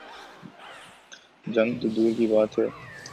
جنگ تو دور کی بات ہے۔